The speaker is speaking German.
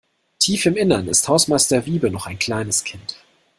Tief im Innern ist Hausmeister Wiebe noch ein kleines Kind.